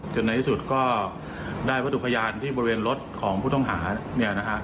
ในที่สุดก็ได้วัตถุพยานที่บริเวณรถของผู้ต้องหาเนี่ยนะฮะ